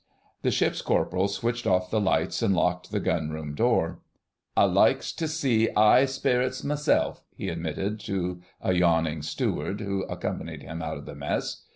The Ship's Corporal switched off the lights and locked the gun room door. "I likes to see 'igh sperits meself," he admitted to the yawning Steward who accompanied him out of the Mess.